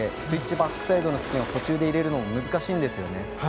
スイッチバックサイドのスピンを途中で入れるのは難しいんですよね。